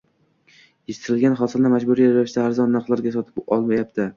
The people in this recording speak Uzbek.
- yetishtirgan hosilini majburiy ravishda arzon narxlarda sotib olyapti;